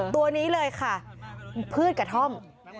ตัวนี้เลยค่ะพืชกระท่อม